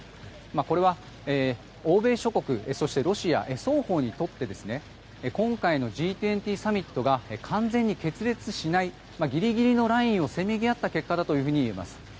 これは、欧米諸国そしてロシア双方にとって今回のＧ２０サミットが完全に決裂しないギリギリのラインをせめぎ合った結果だといえます。